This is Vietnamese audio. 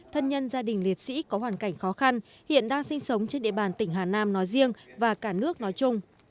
thân nhân gia đình liệt sĩ có hoàn cảnh khó khăn hiện đang sinh sống trên địa bàn tỉnh hà nam nói riêng và cả nước nói chung